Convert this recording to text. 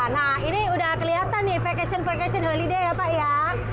nah ini sudah kelihatan nih vacation vacation holiday ya pak ya